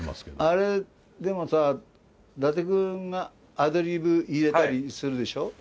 あれでもさ伊達君がアドリブ入れたりするでしょ？